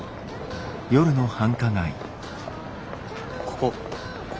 ここ。